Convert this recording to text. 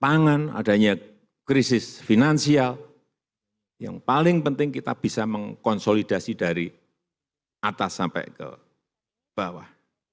pangan adanya krisis finansial yang paling penting kita bisa mengkonsolidasi dari atas sampai ke bawah